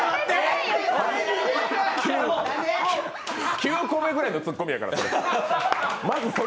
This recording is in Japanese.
９個目ぐらいのツッコミやから、それ。